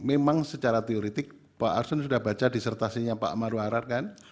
memang secara teoretik pak arsul sudah baca disertasinya pak maru harar kan